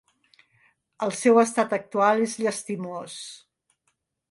El seu estat actual és llastimós.